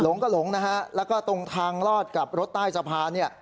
หลงก็หลงแล้วก็ตรงทางรอดกลับรถใต้สภาพ